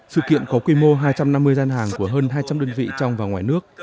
sự kiện có quy mô hai trăm năm mươi gian hàng của hơn hai trăm linh đơn vị trong và ngoài nước